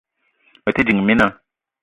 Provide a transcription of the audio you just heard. Me te ding, mina